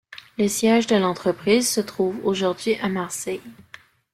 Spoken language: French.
Le siège de l'entreprise se trouve aujourd'hui à Marseille.